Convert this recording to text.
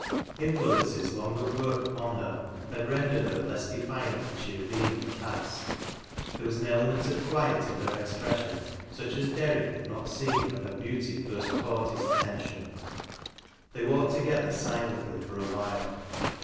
Influences long at work upon lier liad rendered her less defiant than she had been in the past. There was an element of quiet in her expression, such aa Derrick had not seen when her beauty first cauglit hig attention. They walked together silently for a while.